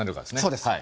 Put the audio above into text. そうです。